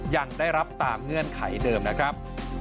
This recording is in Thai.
ยังได้รับตามเงื่อนไขเดิมนะครับ